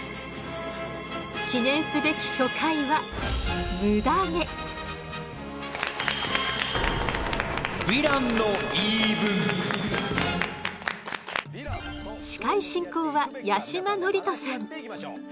記念すべき初回は司会進行は八嶋智人さん。